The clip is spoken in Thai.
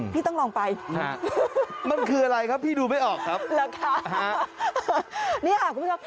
พี่ต้องลองไปมันคืออะไรครับพี่ดูไม่ออกครับเหรอคะนี่ค่ะคุณผู้ชมค่ะ